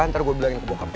ntar gue bilangin ke bokap